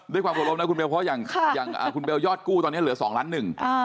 ด้วยความขอรบนะคุณเบลเพราะอย่างคุณเบลยอดกู้ตอนนี้เหลือสองล้านหนึ่ง